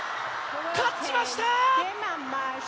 勝ちました！